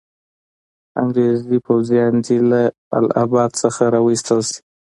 انګریزي پوځیان دي له اله اباد څخه را وایستل شي.